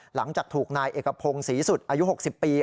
หลังจากถูกนายเอกพงศรีสุดอายุ๖๐ปี